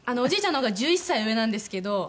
おじいちゃんの方が１１歳上なんですけど。